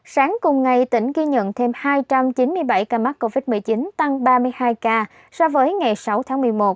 sáng cùng ngày tỉnh ghi nhận thêm hai trăm chín mươi bảy ca mắc covid một mươi chín tăng ba mươi hai ca so với ngày sáu tháng một mươi một